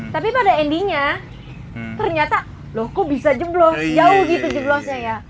tapi pada endingnya ternyata loh kok bisa jemblos jauh gitu jeblosnya ya